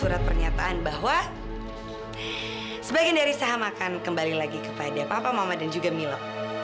surat pernyataan bahwa sebagian dari saham akan kembali lagi kepada papa mama dan juga milo